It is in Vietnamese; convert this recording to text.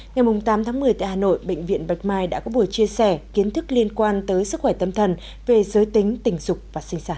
ngày tám tháng một mươi tại hà nội bệnh viện bạch mai đã có buổi chia sẻ kiến thức liên quan tới sức khỏe tâm thần về giới tính tình dục và sinh sản